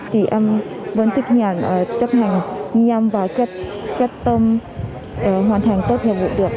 thì em vẫn thực hiện chấp hành nghiêm và quyết tâm hoàn thành tốt nhiệm vụ được